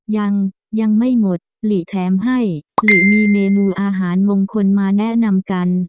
ยังยังไม่หมดหลีแถมให้หลีมีเมนูอาหารมงคลมาแนะนำกัน